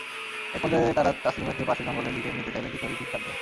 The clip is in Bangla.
একপর্যায়ে তাঁরা তাসলিমাকে পাশের জঙ্গলের দিকে নিতে চাইলে কিশোরী চিৎকার দেয়।